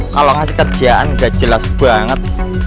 kalau ngasih kerjaan gak jelas banget